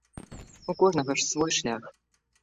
У кожнага ж свой шлях.